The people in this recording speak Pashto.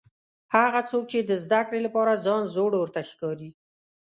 هغه څوک چې د زده کړې لپاره ځان زوړ ورته ښکاري.